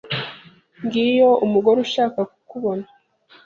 Ngiyo umugore ushaka kukubona.